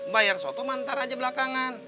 bayar soto mantar aja belakangan